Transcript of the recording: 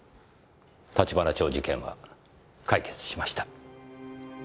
橘町事件は解決しました。